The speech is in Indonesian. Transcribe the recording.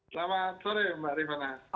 selamat sore mbak rifana